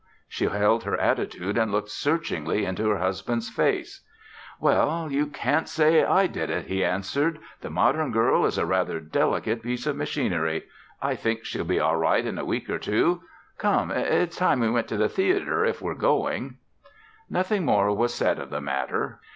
She held her attitude and looked searchingly into her husband's face. "Well, you can't say I did it," he answered. "The modern girl is a rather delicate piece of machinery. I think she'll be all right in a week or two. Come, it's time we went to the theater if we're going." Nothing more was said of the matter.